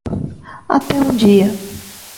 Até um dia